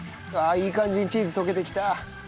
いい感じにチーズ溶けてきた。